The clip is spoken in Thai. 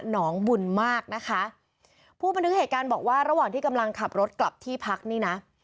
น้องบุญมากนะคะผู้บันทึกเหตุการณ์บอกว่าระหว่างที่กำลังขับรถกลับที่พักนี่นะ